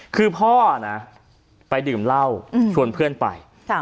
คือพ่อนะไปดื่มเหล้าชวนเพื่อนไป